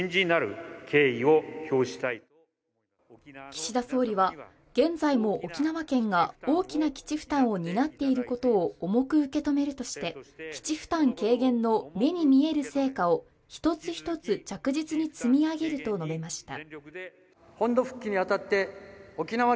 岸田総理は、現在も沖縄県が大きな基地負担を担っていることを重く受け止めるとして基地負担軽減の目に見える成果を一つ一つ着実に積み上げると述べました。